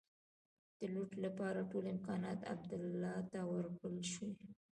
د لوټ لپاره ټول امکانات عبدالله ته ورکړل شي.